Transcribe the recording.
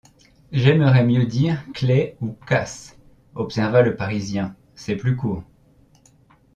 J’aimerais mieux dire Clay ou Cass, observa le parisien, c’est plus court.